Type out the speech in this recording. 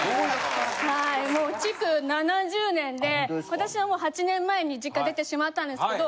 はいもう築７０年で私はもう８年前に実家出てしまったんですけど。